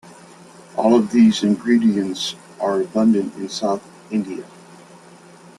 All of these ingredients are abundant in South India.